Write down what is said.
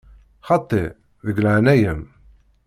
Xaṭi, deg leɛnaya-m!